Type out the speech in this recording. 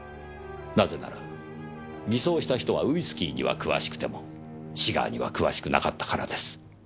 なぜなら偽装した人はウイスキーには詳しくてもシガーには詳しくなかったからです。